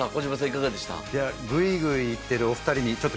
いかがでした？